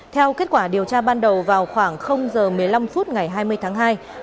theo kết quả điều tra ban đầu vào khoảng giờ một mươi năm phút ngày hai mươi tháng hai